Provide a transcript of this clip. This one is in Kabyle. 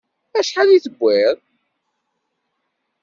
Acḥal i tewwiḍ?